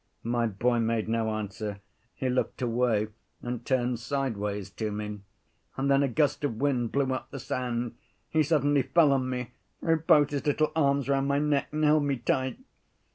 My boy made no answer. He looked away and turned sideways to me. And then a gust of wind blew up the sand. He suddenly fell on me, threw both his little arms round my neck and held me tight.